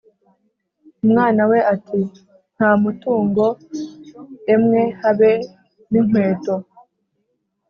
umwana we ati «Nta mutungo, emwe habe n’inkweto,